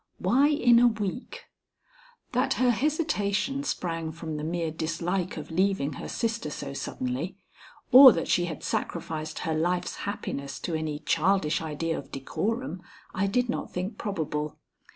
Why in a week? That her hesitation sprang from the mere dislike of leaving her sister so suddenly, or that she had sacrificed her life's happiness to any childish idea of decorum, I did not think probable.